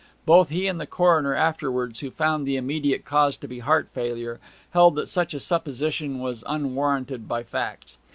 Both he and the coroner afterwards, who found the immediate cause to be heart failure, held that such a supposition was unwarranted by facts.